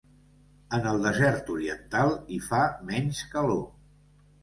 En el desert oriental, hi fa menys calor.